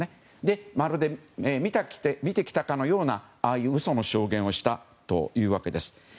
まるで見てきたかのような嘘の証言をしたというわけです。